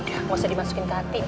ya udah gak usah dimasukin ke hati